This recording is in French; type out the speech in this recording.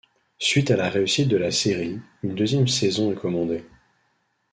Suite à la réussite de la série, une deuxième saison est commandée.